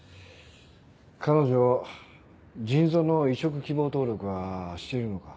彼女腎臓の移植希望登録はしているのか？